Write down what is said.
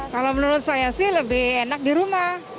kalau menurut saya sih lebih enak di rumah